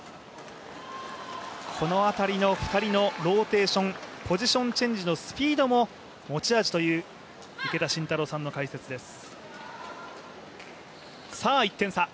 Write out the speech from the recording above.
この辺りの２人のローテーションポジションチェンジのスピードも持ち味という池田信太郎さんの解説です。